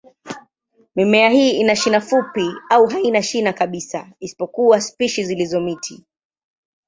Mimea hii ina shina fupi au haina shina kabisa, isipokuwa spishi zilizo miti.